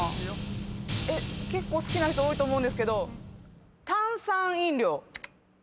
結構好きな人多いと思うんですけど炭酸飲料。